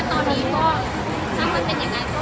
คนที่รู้เหมือนกันก็